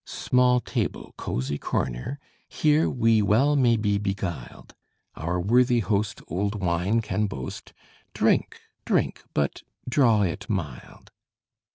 Small table cozy corner here We well may be beguiled; Our worthy host old wine can boast: Drink, drink but draw it mild!